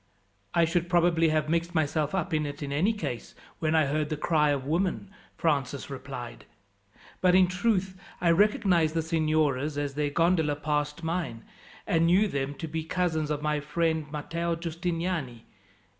"I should probably have mixed myself up in it, in any case, when I heard the cry of women," Francis replied; "but, in truth, I recognized the signoras as their gondola passed mine, and knew them to be cousins of my friend Matteo Giustiniani.